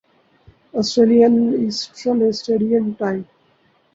Australian Eastern Standard time